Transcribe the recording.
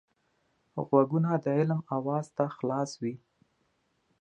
غوږونه د علم آواز ته خلاص وي